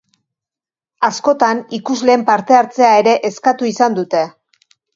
Askotan, ikusleen partehartzea ere eskatu izan dute.